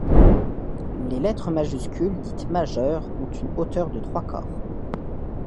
Les lettres majuscules, dites majeures, ont une hauteur de trois corps.